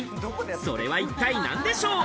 それは一体何でしょう？